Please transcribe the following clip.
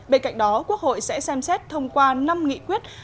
bên cạnh đó quốc hội sẽ xem xét thông qua năm nghị quyết